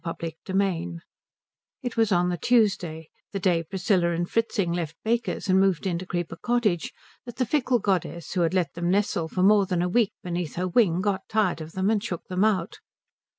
XIII It was on the Tuesday, the day Priscilla and Fritzing left Baker's and moved into Creeper Cottage, that the fickle goddess who had let them nestle for more than a week beneath her wing got tired of them and shook them out.